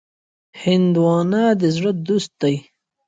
هندوانه د زړه دوست دی.